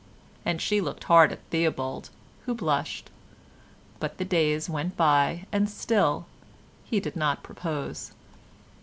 And she looked hard at Theobald, who blushed; but the days went by and still he did not propose.